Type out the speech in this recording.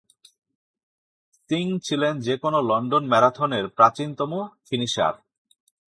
সিং ছিলেন যে কোন লন্ডন ম্যারাথনের প্রাচীনতম ফিনিশার।